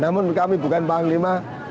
namun kami bukan panglima